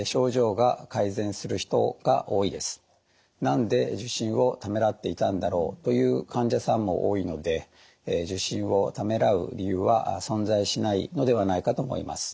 何で受診をためらっていたんだろうという患者さんも多いので受診をためらう理由は存在しないのではないかと思います。